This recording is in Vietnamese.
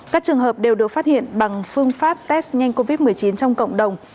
các trường hợp đều được phát hiện bằng phương pháp test nhanh covid một mươi chín trong cộng đồng